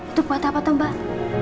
itu buat apa tuh mbak